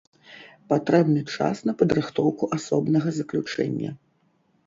Патрэбны час на падрыхтоўку асобнага заключэння.